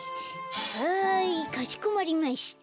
はいかしこまりました。